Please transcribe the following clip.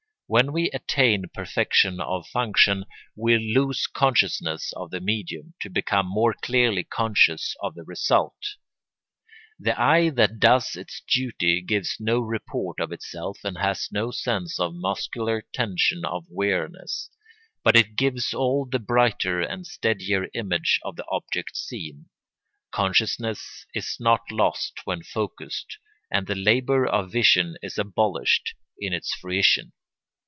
When we attain perfection of function we lose consciousness of the medium, to become more clearly conscious of the result. The eye that does its duty gives no report of itself and has no sense of muscular tension or weariness; but it gives all the brighter and steadier image of the object seen. Consciousness is not lost when focussed, and the labour of vision is abolished in its fruition.